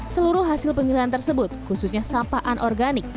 seluruh hasil pemilihan tersebut khususnya sampah anorganik